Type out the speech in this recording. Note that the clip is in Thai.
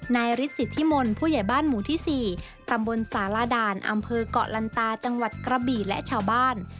นายฤทธิมนต์ผู้ใหญ่บ้านหมู่ที่๔ตำบลสารด่านอำเภอกเกาะลันตาจังหวัดกระบี่และชาวบ้าน